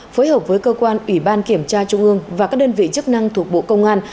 phối hợp với cơ quan ủy ban kiểm tra trung ương và các đơn vị chức năng thuộc bộ công an